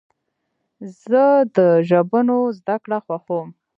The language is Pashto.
زه د ژبونو زدهکړه خوښوم.